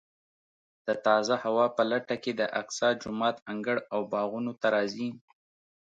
د تازه هوا په لټه کې د اقصی جومات انګړ او باغونو ته راځي.